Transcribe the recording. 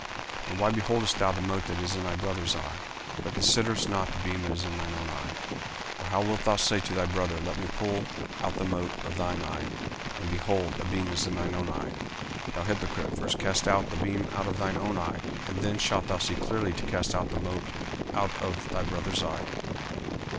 40:007:003 And why beholdest thou the mote that is in thy brother's eye, but considerest not the beam that is in thine own eye? 40:007:004 Or how wilt thou say to thy brother, Let me pull out the mote out of thine eye; and, behold, a beam is in thine own eye? 40:007:005 Thou hypocrite, first cast out the beam out of thine own eye; and then shalt thou see clearly to cast out the mote out of thy brother's eye.